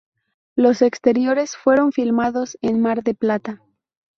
Los exteriores fueron filmados en Mar del Plata.